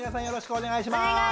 よろしくお願いします。